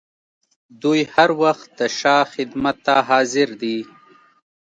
دوی هر وخت د شاه خدمت ته حاضر دي.